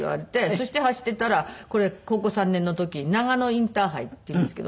そして走っていたらこれ高校３年の時長野インターハイっていうんですけど。